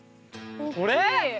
これ！？